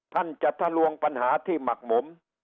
ท่านจะทะลวงปัญหาที่หมักหมม